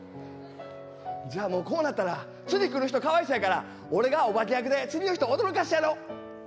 じゃあもうこうなったら次来る人かわいそやから俺がお化け役で次の人驚かしてやろ！